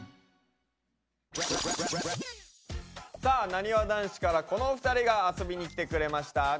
さあなにわ男子からこの２人が遊びに来てくれました。